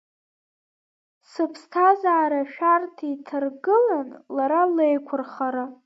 Сыԥсҭазаара ашәарҭа иҭаргыланы, лара леиқәырхара…